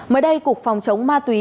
mới đây cục phòng chống ma túy